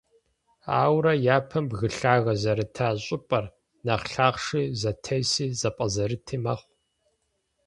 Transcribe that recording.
Ауэрэ, япэм бгы лъагэ зэрыта щIыпIэр нэхъ лъахъши, зэтеси, зэпIэзэрыти мэхъу.